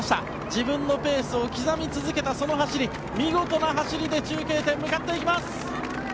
自分のペースを刻み続けたその走り、見事な走りで中継点に向かっていきます！